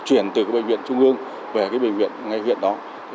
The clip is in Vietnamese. chuyển từ bệnh viện trung ương về bệnh viện ngay hiện đó